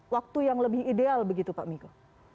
waktu yang lebih ideal begitu pak miko